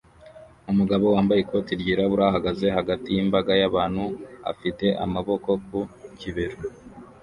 Umugabo wambaye ikoti ryirabura ahagaze hagati yimbaga y'abantu afite amaboko ku kibero